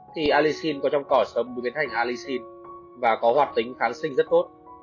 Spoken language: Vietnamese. trong tỏi sống biến thành allicin và có hoạt tính kháng sinh rất tốt